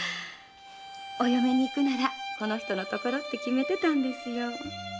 お嫁にいくならこの人のところと決めてたんですよ。